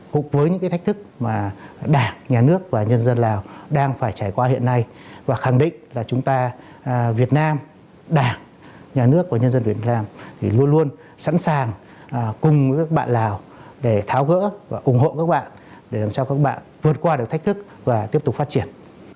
phục với những cái thách thức mà đảng nhà nước và nhân dân lào đang phải trải qua hiện nay và khẳng định là chúng ta việt nam đảng nhà nước và nhân dân việt nam thì luôn luôn sẵn sàng cùng các bạn lào để tháo gỡ và ủng hộ các bạn để làm sao các bạn vượt qua được thách thức và tiếp tục phát triển